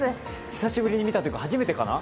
久しぶりに見たというか初めてかな？